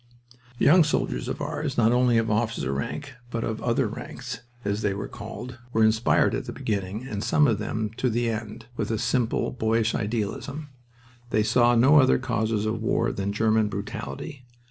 Young soldiers of ours, not only of officer rank, but of "other ranks," as they were called, were inspired at the beginning, and some of them to the end, with a simple, boyish idealism. They saw no other causes of war than German brutality.